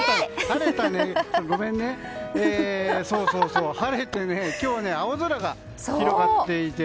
そうそう、晴れて今日は青空が広がっていて。